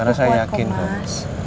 aku kuat kok mas